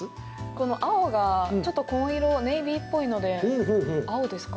この青がちょっと紺色ネイビーっぽいので、青ですか？